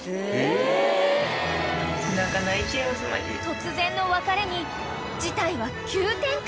［突然の別れに事態は急展開］